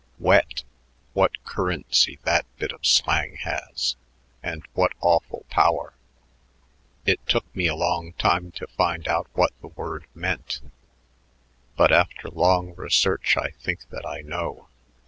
"Wet! What currency that bit of slang has and what awful power. It took me a long time to find out what the word meant, but after long research I think that I know.